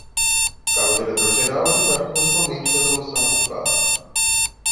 Cabe ao diretor geral ditar a correspondente resolução motivada.